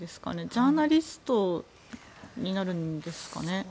ジャーナリストになるんですかね。